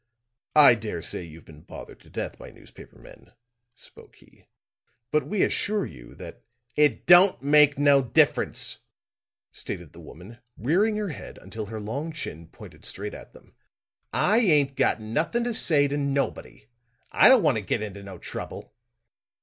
"I dare say you've been bothered to death by newspaper men," spoke he. "But we assure you that " "It don't make no difference," stated the woman, rearing her head until her long chin pointed straight at them. "I ain't got nothing to say to nobody. I don't want to get into no trouble."